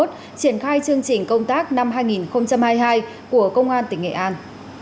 triển khai chương trình công tác năm hai nghìn hai mươi hai của công an tỉnh nghệ an